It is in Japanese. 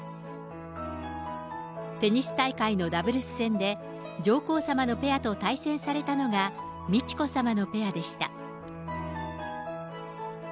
テニス大会のダブルス戦で、上皇さまのペアと対戦されたのが美智子さまのペアでした。